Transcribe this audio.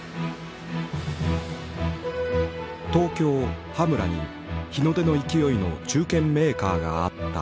東京・羽村に日の出の勢いの中堅メーカーがあった。